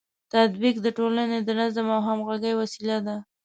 تطبیق د ټولنې د نظم او همغږۍ وسیله ده.